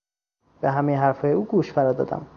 به همهی حرفهای او گوش فرا دادم.